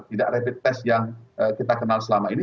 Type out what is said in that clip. tidak rapid test yang kita kenal selama ini